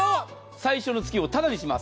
最初の月をタダにします。